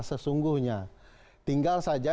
sesungguhnya tinggal saja